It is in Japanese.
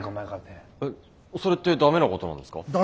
えそれってダメなことなんですか？